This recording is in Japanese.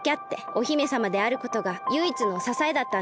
お姫さまであることがゆいいつのささえだったんです。